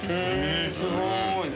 すごい！